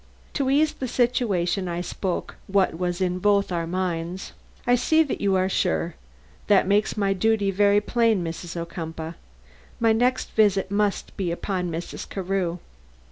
To ease the situation, I spoke what was in both our minds. "I see that you are sure. That makes my duty very plain, Mrs. Ocumpaugh. My next visit must be upon Mrs. Carew."